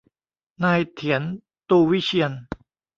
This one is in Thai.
นายเถียร ตูวิเชียร